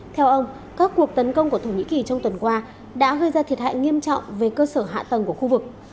theo ông các cuộc tấn công của thổ nhĩ kỳ trong tuần qua đã gây ra thiệt hại nghiêm trọng về cơ sở hạ tầng của khu vực